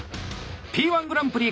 「Ｐ−１グランプリ」